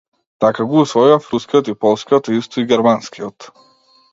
Така го усвојував рускиот и полскиот, а исто и германскиот.